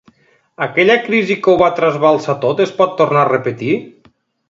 Aquella crisi que ho va trasbalsar tot es pot tornar a repetir?